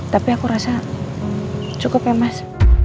tapi aku rasa cukup ya mas